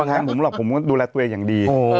แทนผมหรอกผมก็ดูแลตัวเองอย่างดี